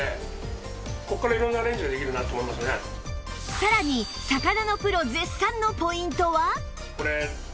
さらに魚のプロ絶賛のポイントは？